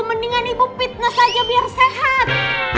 mendingan ibu pitnah aja biar sehat